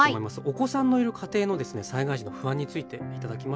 お子さんのいる家庭の災害時の不安について頂きました。